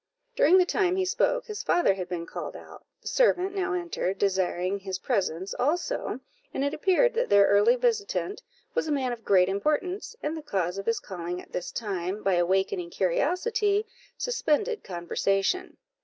During the time he spoke, his father had been called out; the servant now entered, desiring his presence also; and it appeared that their early visitant was a man of great importance, and the cause of his calling at this time, by awakening curiosity, suspended conversation.